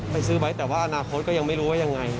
ซื้อไว้แต่ว่าอนาคตก็ยังไม่รู้ว่ายังไง